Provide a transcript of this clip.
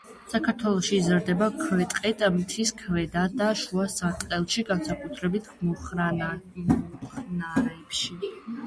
საქართველოში იზრდება ქვეტყედ მთის ქვედა და შუა სარტყელში, განსაკუთრებით მუხნარებში.